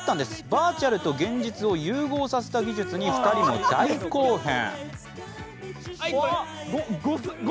バーチャルと現実を融合させた技術に、２人は大興奮。